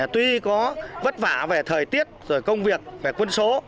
tuy có vất vả về thời tiết rồi công việc về quân số